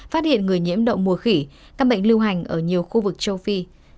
phát hiện người nhiễm độ mùa khỉ ca bệnh lưu hành ở nhiều khu vực châu phi